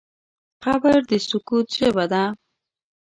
قبر د سکوت ژبه ده.